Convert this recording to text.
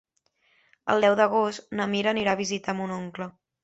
El deu d'agost na Mira anirà a visitar mon oncle.